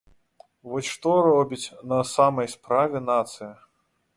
Вось што робіць на самай справе нацыя.